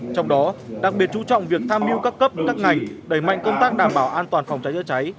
trong đó đặc biệt chú trọng việc tham mưu các cấp các ngành đẩy mạnh công tác đảm bảo an toàn phòng cháy chữa cháy